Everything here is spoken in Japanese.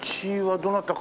どなたか。